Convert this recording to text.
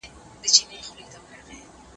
ښوونکي آنلاین کورسونه چمتو کوي.